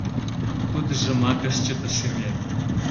Тудыжымак ыш чыте шӱмем!